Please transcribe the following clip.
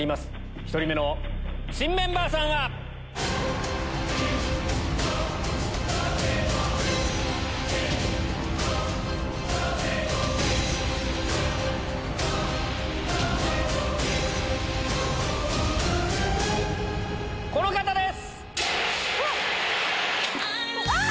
１人目の新メンバーさんは⁉この方です！